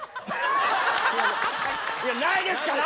いやないですから！